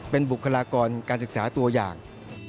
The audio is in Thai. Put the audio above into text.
เป็นบุคลากรการศึกษาตัวอย่าง